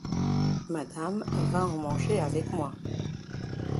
Madame va en manger avec moi.